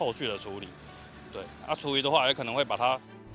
kalau kita mau membuang sampah kita akan